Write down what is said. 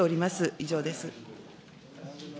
以上です。